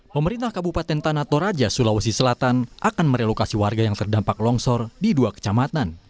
pemerintah kabupaten tanah toraja sulawesi selatan akan merelokasi warga yang terdampak longsor di dua kecamatan